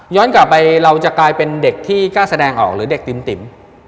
กลับไปเราจะกลายเป็นเด็กที่กล้าแสดงออกหรือเด็กติม